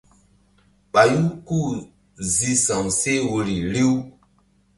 Ɓayu ku-u zi sa̧w seh woyri riw.